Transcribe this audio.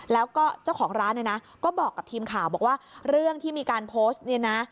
แล้วก็เจ้าของร้านเนี่ยนะก็บอกกับทีมข่าวบอกว่าเรื่องที่มีการโพสต์เนี่ยนะ